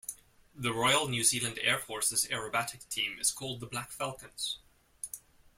The Royal New Zealand Air Force's aerobatic team is called the Black Falcons.